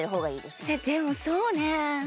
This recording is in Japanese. でもそうね。